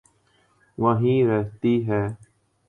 وہیں رہتی ہے۔